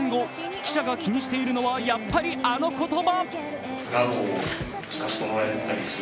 記者が気にしているのはやっぱりあの言葉。